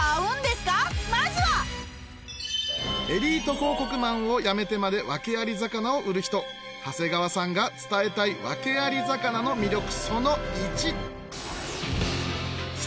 まずはエリート広告マンを辞めてまでワケアリ魚を売る人長谷川さんが伝えたいワケアリ魚の魅力